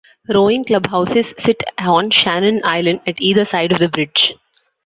Rowing clubhouses sit on Shannon Island at either side of the bridge.